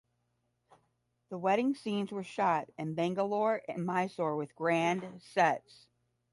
The wedding scenes were shot in Bangalore and Mysore with grand sets.